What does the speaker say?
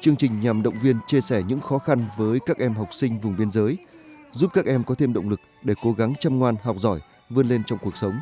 chương trình nhằm động viên chia sẻ những khó khăn với các em học sinh vùng biên giới giúp các em có thêm động lực để cố gắng chăm ngoan học giỏi vươn lên trong cuộc sống